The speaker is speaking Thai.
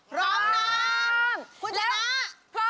พร้อมนะ